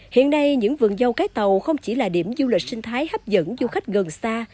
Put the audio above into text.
hiện nay những vườn dâu cái tàu không chỉ là điểm du lịch sinh thái hấp dẫn du khách gần xa